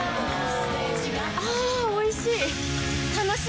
あぁおいしい！